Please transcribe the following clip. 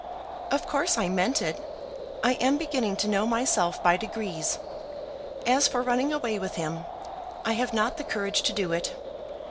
"Of course I meant it. I am beginning to know myself by degrees. As for running away with him, I have not the courage to do it.